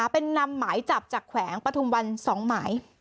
เป็นนำหมายจับจากแขวงปฐุมวัน๒หมาย